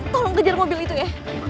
tolong kejar mobil itu ya